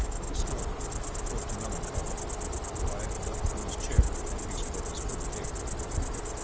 He snorted, looked melancholy, writhed up from his chair and reached for his fur cape.